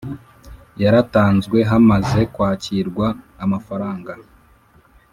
yaratanzwe hamaze kwakirwa amafaranga.